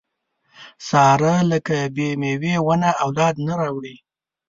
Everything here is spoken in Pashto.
ساره لکه بې مېوې ونه اولاد نه راوړي.